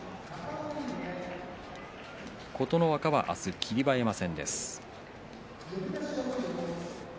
琴ノ若は明日は霧馬山戦です。